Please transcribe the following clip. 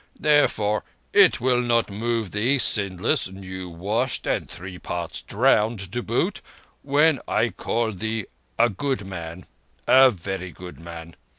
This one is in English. Therefore it will not move thee, sinless, new washed and three parts drowned to boot, when I call thee a good man—a very good man.